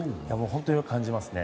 本当によく感じますね。